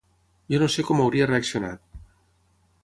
Jo no sé com hauria reaccionat.